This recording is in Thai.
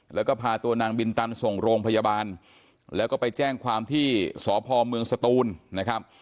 แล้วก็พาตัวนางบินตันส่งโรงพยาบาลแล้วก็ไปแจ้งความที่สพเมืองสตูนนะครับ